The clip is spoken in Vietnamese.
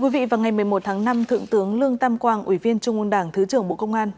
vào ngày một mươi một tháng năm thượng tướng lương tam quang ủy viên trung ương đảng thứ trưởng bộ công an